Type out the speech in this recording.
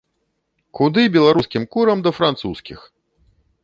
Куды беларускім курам да французскіх!